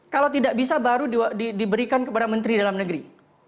kalau tidak bisa baru diberikan kepada menteri dalam negeri